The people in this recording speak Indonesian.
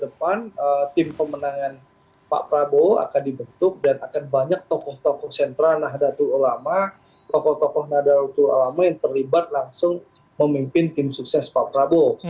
depan tim pemenangan pak prabowo akan dibentuk dan akan banyak tokoh tokoh sentra nahdlatul ulama tokoh tokoh nahdlatul ulama yang terlibat langsung memimpin tim sukses pak prabowo